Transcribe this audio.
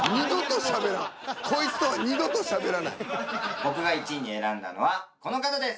僕が１位に選んだのはこの方です。